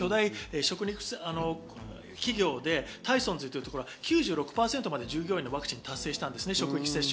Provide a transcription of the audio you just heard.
アメリカの巨大食肉企業でタイソンズというところが９６％まで従業員のワクチン接種を達成したんです。